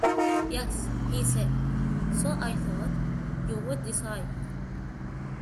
"Yes," he said; "so I thought you would decide."